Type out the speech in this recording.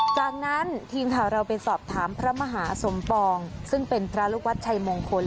จากนั้นทีมข่าวเราไปสอบถามพระมหาสมปองซึ่งเป็นพระลูกวัดชัยมงคล